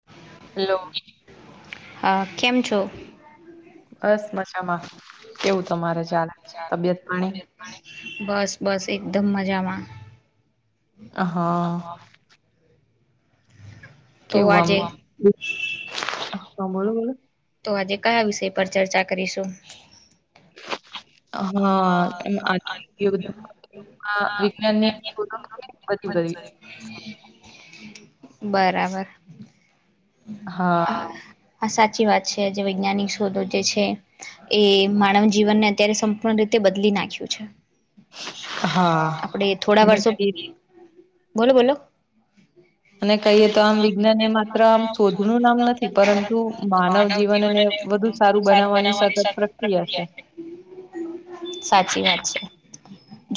[inaudible] Hello. આ કેમ છો? બસ મજામાં કેવું તમારે ચાલે તબિયત પાણી. બસ બસ એકદમ મજામાં. આહા. કેવું આમ [unintelligible] તો આજે કયા વિષય પર ચર્ચા કરીશું? આ હા એમ આજે [unintelligible] આ વિજ્ઞાન [unintelligible] બધી કરી. બરાબર હા. આ સાચી વાત છે જે વૈજ્ઞાનિક શોધો જે છે એ માનવ જીવનને અત્યારે સમ પણ રીતે બદલી નાખ્યું છે. હા આપડે થોડા વર્ષો બોલો બોલો. અને કહીએ તો આમ વિજ્ઞાન માત્ર નામ નથી પરંતુ માનવ જીવન અને [unintelligible] સારું બનાવવાની સાથે પ્રક્રિયા છે સાચી વાત છે.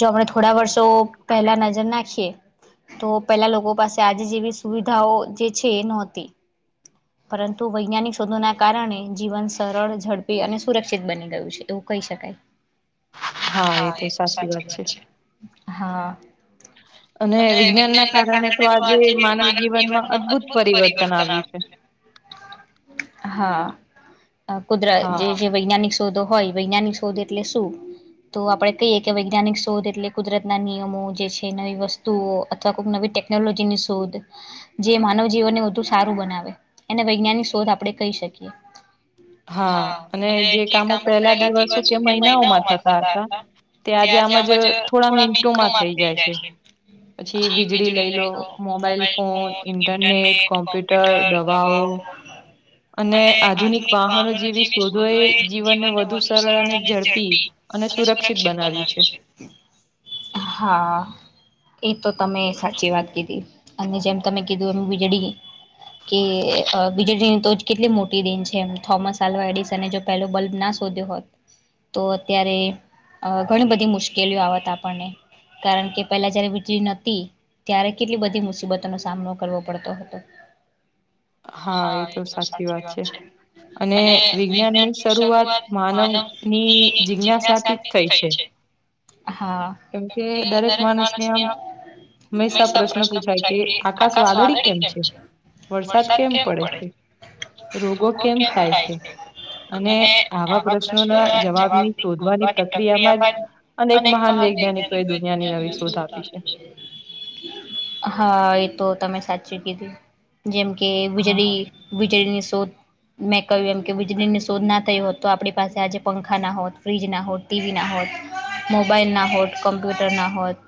જો આપણે થોડા વર્ષો પહેલા નજર નાખીએ તો પેલા લોકો પાસે આજે જેવી સુવિધાઓ જે છે એ નહોતી. [inaudible] પરંતુ વૈજ્ઞાનિક શોધોના કારણે જીવન સરળ ઝડપી અને સુરક્ષિત બની ગયું છે એવું કહી શકાય. હા એ તો સાચી વાત છે હા. અને વિજ્ઞાન ના કારણે તો આજે માનવ જીવનમાં અદભુત પરિવર્તન આવ્યું છે. હા આ કુદરત જે છે વૈજ્ઞાનિક શોધો હોય વૈજ્ઞાનિક શોધો એટલે શું? તો આપડે કહીએ કે વૈજ્ઞાનિક શોધ એટલે કુદરતના નિયમો જે છે નવી વસ્તુઓ અથ અથવા ખૂબ નવી ટેકનોલોજી ની શોધ. જે માનવ જીવનને વધુ સારું બનાવે એને વૈજ્ઞાનિક શોધ આપણે કહી શકીએ? હા અને જે કામો પેલા થી પાછું મહિનામાં થતા હતા તે આજે આમ જ થોડા મિનટોમાં થઈ જાય છે. પછી વીજળી લઈ લો મોબાઈલ ફોન ઇન્ટરનેટ કોમ્પ્યુટર દવાઓ અને આધુનિક વાહનો જેવી શોધો એ જીવનને વધુ સરળ અને ઝડપી સુરક્ષિત બનાવી છે. હા એ તો તમે સાચી વાત કીધી અને જેમ તમે કીધું એમ વીજળી કે બીજ દિન તો જ કેટલી મોટી દિન છે [unintelligible] એમ થોમસ આલ્વા એડિસ પહેલો બલ્બ ના શોધ્યો હોત તો અત્યારે ઘણી બધી મુશ્કેલીઓ આવત આપણને કારણ કે પેલા જયારે વીજળી નતી ત્યારે કેટલી બધી મુસીબતોનો સામનો કરવો પડતો હતો. [inaudible] હા એ તો સાચી વાત છે અને વિજ્ઞાનની શરૂઆત માનવની ની જિજ્ઞાસાથી જ થઈ છે. હા કેમકે દરેક માણસને હંમેશા પ્રશ્ન પૂછાય કે આકાશ વાદળી કેમ છે? વરસાદ કેમ પડે? રોગો કેમ થાય છે અને આવા પ્રશ્નોના જવાબની શોધવાની પ્રક્રિયામાં જ અનેક મહાન [unintelligible] હા એ તો તમે સાચી કીધું જેમકે વીજળી વીજળીની શોધ મેં કહ્યું એમ કે વીજળી ની શોધ ના થયો હોત તો આપણી પાસે આજે પંખા પંખા ના હોત ફ્રીજ ના હોત ટીવી ના હોત મોબાઈલ ના હોત કમ્પ્યુટર ના હોત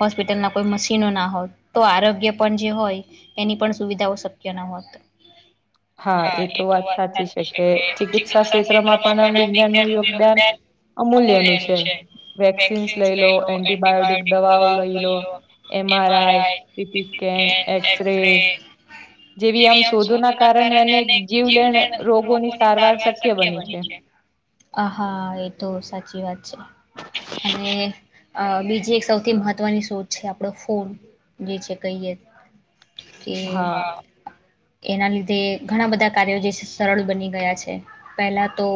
હોસ્પિટલના કોઈ મશીનો ના હોત તો આરોગ્ય પણ જે હોય એની પણ સુવિધાઓ શક્ય ન હોત. હા એ તો વાત સાચી છેકે ચિકિત્સા ક્ષેત્રમાં પણ આમ વિજ્ઞાનનું [unintelligible] અમૂલ્ય નું છે વેક્સિન્સ લઈ લો એન્ટિબાયોટીક દવાઓ લઈ લો. M R I, C T scan, X ray શોધો ના કારણે અનેક જીવલેણ રોગોની સારવાર શક્ય બની છે. હા એ તો સાચી વાત છે. અને બીજી એક સૌથી મહત્વની શોધ છે આપણો ફોન જે છે કહીએ કે એના લીધે ઘણા બધા કાર્યો જે છે સરળ બની ગયા છે પહેલા તો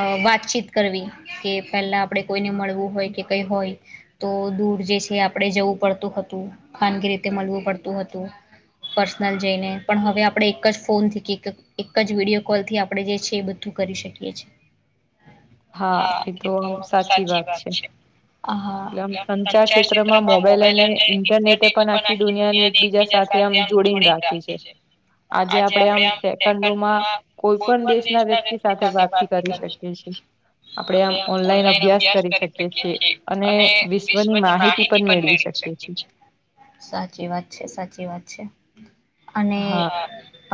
અ વાતચીત કરવી કે પહેલા આપણે કોઈને મળવું હોય કે કંઈ હોય તો દૂર જે છે આપણેે જવું પડતું હતું ખાનગી રીતે મળવું પડતું હતું. પર્સનલ જઈને પણ હવે આપણે એક જ ફોનથી ક એક જ વિડીયો કોલથી આપણે જે છે એ બધું કરી શકીએ છે. હા એ તો સાચી વાત છે. સંચાર ક્ષેત્રમાં મોબાઈલ અને ઇન્ટરનેટ પણ આખી દુનિયા એકબીજા સાથે આમ જોડીને રાખી છે. આજે આપડે આમ સેકંડોમાં કોઈ પણ દેશના વ્યક્તિ સાથે વાત આપણેે ઓનલાઈન અભ્યાસ કરી શકીએ છે. અને વિશ્વની માહિતી પણ મેળવી શકે છે. સાચી વાત છે સાચી વાત છે અને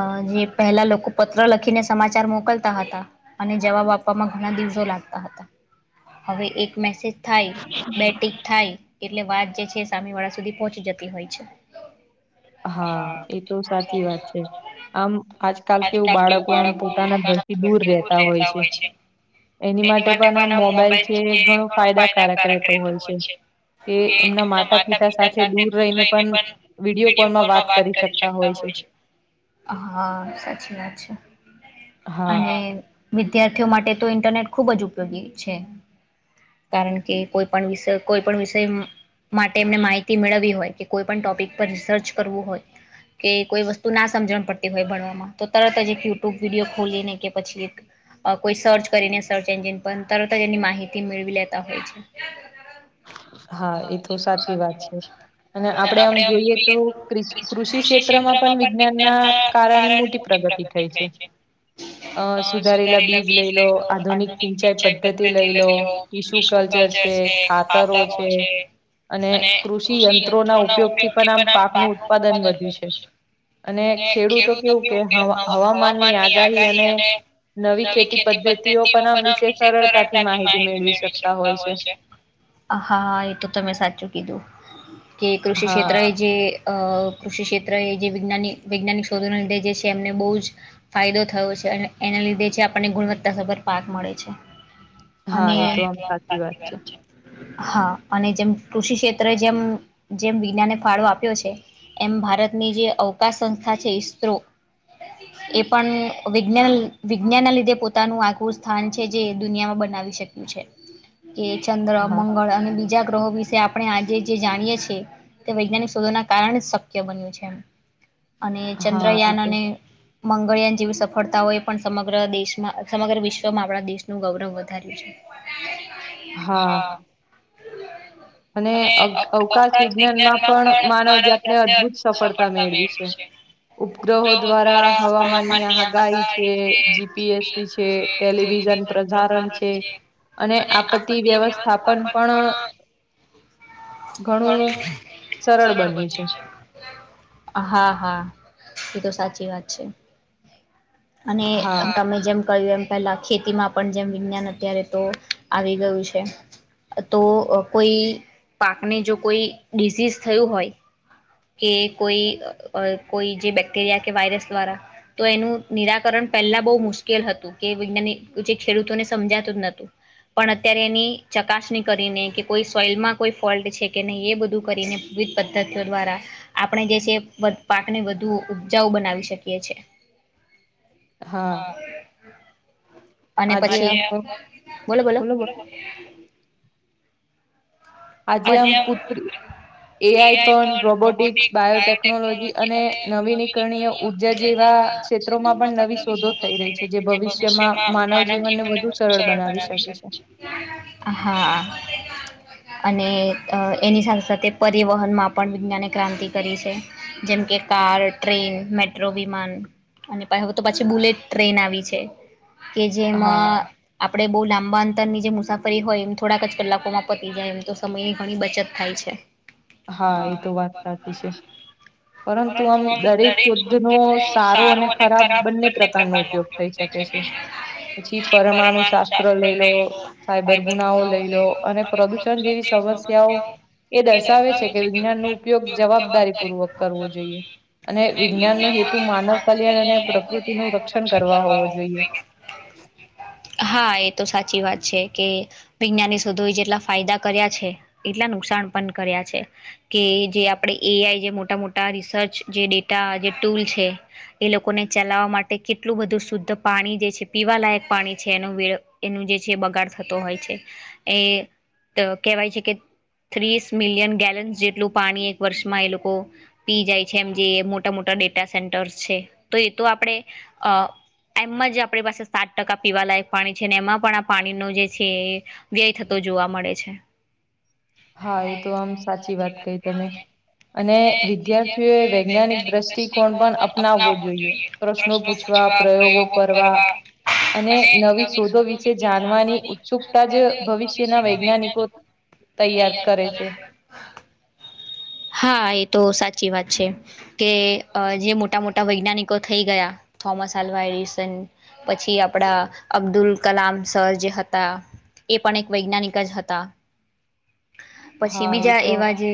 અ જે પહેલા લોકો પત્ર લખીને સમાચાર મોકલતા હતા. અને જવાબ આપવામાં ઘણા દિવસો લાગતા હતા. હવે એક મેસેજ થાય બે ટિક થાય. એટલે વાત જે છે સામે વાળા સુધી પહોંચી જતી હોય છે. હા એ તો સાચી વાત છે. આમ આજકાલ કેવું બાળકો આમ પોતાના ઘરથી દૂર રહેતા હોય છે. એની માટે પણ આ મોબાઈલ છે એ ઘણો ફાયદાકારક રહેતો હોય છે. કે એમના માતા પિતા સાથે દૂર રહીને પણ વિડીયો કોલ મા વાત કરી શકતા હોય છે. હા સાચી વાત છે અને વિદ્યાર્થીઓ માટે તો ઇન્ટરનેટ ખૂબ જ ઉપયોગી છે. કારણ કે કોઈ પણ વિષ કોઈ પણ વિષય માટે એમને માહિતી મેળવી હોય કે કોઈ પણ ટોપિક પર રિસર્ચ કરવું હોય કે કોઈ વસ્તુ ના સમજણ પડતી હોય ભણવામાં તો તરત જ એક યુટ્યુબ વિડીયો ખોલીને કે પછી એક કોઈ સર્ચ કરીને સર્ચ એન્જિન પણ તરત જ એની માહિતી મેળવી લેતા હોય છે. [inaudible] હા એ તો સાચી વાત છે અને આપડે આમ જોઈએ તો કૃષિ ક્ષેત્રમાં પણ વિજ્ઞાનના કારણે મોટી પ્રગતિ થઈ છે. [inaudible] અ સુધારેલા બીજ લઈ લો આધુનિક સિંચાઈ પદ્ધતિ લઈ લો ટીશ્યુ કલ્ચર છે. ખાતરો છે. અને કૃષિ યંત્રોના ઉપયોગથી પણ આમ પાકનું ઉત્પાદન વધ્યું છે. અને ખેડૂતો કેવું કે હવા હવામાન ની આગાહી અને નવી ખેતી પદ્ધતિઓ પણ આમ વિશે સરળતાથી માહિતી મેળવી શકતા હોય છે. હા એ તો તમે સાચું કીધું કે કૃષિ ક્ષેત્ર જે કૃષિ ક્ષેત્ર એ જે વિજ્ઞાન વૈજ્ઞાનિક શોધોના લીધે જે છે એમને બહુ જ ફાયદો થયો છે અને એના લીધે જે આપણને ગુણવત્તા સભર પાક મળે છે. અને હા અને જેમ કૃષિ ક્ષેત્રે જેમ જેમ વિજ્ઞાને ફાળો આપ્યો છે એમ ભારતની જે અવકાશ સંસ્થા છે ઈસરો [inaudible] એ પણ વિજ્ઞાન વિજ્ઞાનના લીધે પોતાનું આખું સ્થાન છે જે દુનિયામાં બનાવી શક્યું છે. [inaudible] કે ચંદ્ર મંગળ અને બીજા ગ્રહો વિશે આપણે આજે જે જાણીએ છે તે વૈજ્ઞાનિક શોધો ના કારણે જ શક્ય બન્યું છે અને ચંદ્રયાન અને મંગળયાન જેવી સફળતાઓ એ પણ સમગ્ર દેશમાં સમગ્ર વિશ્વમાં આપણા દેશનું ગૌરવ વધાર્યું છે. [inaudible] હા અને અવ અવકાશ વિજ્ઞાનમાં પણ માનવજાતને અદભુત સફળતા મેળવી છે. ઉપગ્રહો દ્વા રા હવામાન ની આગાહી છે જીપીએસસી છે ટેલિવિઝન પ્રસારણ છે અને આપત્તિ વ્યવસ્થાપન પણ ઘણું સરળ બન્યું છે. હા હા એ તો સાચી વાત છે. અને તમે જેમ કહ્યું એમ પેલા ખેતીમાં પણ જેમ વિજ્ઞાન અત્યારે તો આવી ગયું છે. તો કોઈ પાકને જો કોઈ ડિઝીઝ થયું હોય કે કોઈ કોઈ જે બેક્ટરિયા કે વાયરસ દ્વારા તો એનું નિરાકરણ પહેલા બહુ મુશ્કેલ હતું કે વૈજ્ઞાનિક જે ખેડૂતોને સમજાતું જ નતું પણ અત્યારે એની ચકાસણી કરીને કે કોઈ સોઈલમાં કોઈ ફોલ્ટ છે કે નહી એ બધું કરીને વિવિધ પદ્ધતિ દ્વારા આપણે જે છે પાકને વધુ ઉપજાઉ બનાવી શકીએ છીએ. હા અને પછી બોલો બોલો. હજ [unintelligible] એ આઈ પણ રોબોટસ બાયોટેકનોલોજી અને નવીનીકરણીય ઉઠયા જેવા. ક્ષેત્રોમાં પણ નવી શોધો થઈ રહી છે જે ભવિષ્યમાં માનવ જીવન ને વધુ સરળ બનાવી શકે છે. હા. અને અ એની સાથે સાથે પરિવહનમાં પણ વિજ્ઞાને ક્રાંતિ કરી છે. જેમ કે કાર, ટ્રેન, મેટ્રો, વિમાન અને હવે તો પછી બુલેટ ટ્રેન આવી છે કે જેમાં આપડે બહુ લાંબા અંતરની જે મુસાફરી હોય એમ થોડાક જ કલાકોમાં પતી જાય એમ. તો સમયની ઘણી બચત થાય છે. હા એ તો વાત હાચી છે. પરંતુ આમ દરેક શુદ્ધનો સારો અને ખરાબ બંને પ્રકારનો ઉપયોગ થઈ શકે છે પછી પરમાણુ શાસ્ત્ર લઈ લો સાયબર ગુનાઓ લઈ લો અને પ્રદૂષણ જેવી સમસ્યાઓ એ દર્શાવે છે કે વિજ્ઞાન નો ઉપયોગ જવાબદારી પૂર્વક કરવો જોઈએ. અને વિજ્ઞાનનો હેતુ માનવ કલ્યાણ અને પ્રકૃતિનું રક્ષણ કરવા હોવો જોઈએ. હા એ તો સાચી વાત છે કે વિજ્ઞાની શોધો જેટલા ફાયદા કર્યા છે એટલા નુકસાન પણ કર્યા છે. કે જે આપડે એઆઈ જે મોટા મોટા રિસર્ચ જે ડેટા જે ટૂલ છે. એ લોકોને ચલાવવા માટે કેટલું બધું શુદ્ધ પાણી જે છે પીવાલાયક પાણી છે એનું વેળ એનું જે છે બગાડ થતો હોય છે એ. ત કહેવાય છે કે ત્રીસ મિલિયન ગેલન્સ જેટલું પાણી એક વર્ષમાં એ લોકો પી જાય છે એમ જે મોટા મોટા ડેટા સેન્ટર્સ છે તો એ તો આપણે અ એમમાં જ આપણી પાસે સાત ટકા પીવાલાયક પાણી છે ને એમાં પણ આ પાણીનું જે છે એ. વ્યય થતો જોવા મળે છે. હા એ તો આમ સાચી વાત કહી તમે. અને વિદ્યાર્થીઓએ વૈજ્ઞાનિક દ્રષ્ટિકોણ પણ અપનાવવો જોઈએ. પ્રશ્નો પૂછવા પ્રયોગો કરવા અને નવી શોધો વિશે જાનવાની સુુકતા જ ભવિષ્યના વૈજ્ઞાનિકો તૈયાર કરે છે. હા એ તો સાચી વાત છે. કે અ જે મોટા મોટા વૈજ્ઞાનિકો થઈ ગયા થોમસ આલ્વા એરિસન પછી આપડા અબ્દુલ કલામ સર જે હતા એ પણ એક વૈજ્ઞાનિક જ હતા. તા પછી બીજા એવા જે.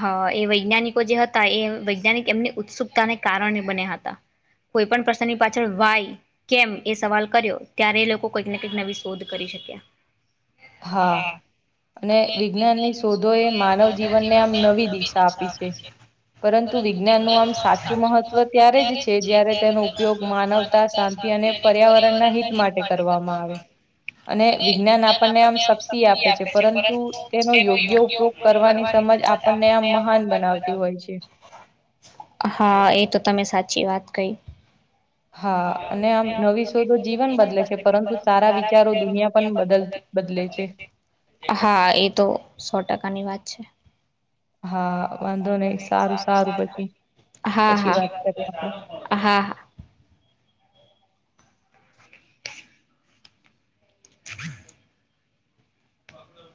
હા એ વૈજ્ઞાનિકો જે હતા એ વૈજ્ઞાનિક એમની ઉત્સુકતાને કારણે બન્યા હતા. કોઈ પણ પ્રશ્નની પાછળ વાય. કેમ એ સવાલ કર્યો ત્યારે એ લોકો કંઈક ને કંઈક નવી શોધ કરી શક્યા. હા. અને વિજ્ઞાન ની શોધો એ માનવ જીવનને આમ નવી દિશા આપી છે. પરંતુ વિજ્ઞાનનું આમ સાચું મહત્વ ત્યારે જ છે જય્યારે તેનો ઉપયોગ માનવતા શાથ થી અને પર્યાવરણ ના હિત માટે કરવામાં આવે અને વિજ્ઞાન આપણને એમ શક્તિ આપે છે પરંતુ તેનો યોગ્ય ઉપયોગ કરવાની સમજ આપ આપણને આમ મહાન બનાવતી હોય છે. હા એ તો તમે સાચી વાત કઈ. હા અને આમ નવી શોધો જીવન બદલે છે પરંતુ સારા વિચારો દુનિયા પણ બદલત બદલે છે. હા એ તો સો ટકાની વાત છે. હા વાંધો નઈ સારું સારું હા હા. હા હા. [inaudible]